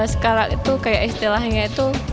sekarang itu kayak istilahnya itu